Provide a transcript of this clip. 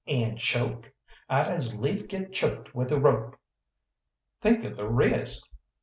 "And choke? I'd as lief get choked with a rope." "Think of the risk!"